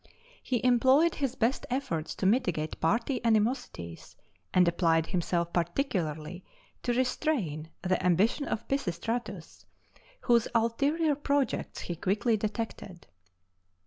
He employed his best efforts to mitigate party animosities, and applied himself particularly to restrain the ambition of Pisistratus, whose ulterior projects he quickly detected.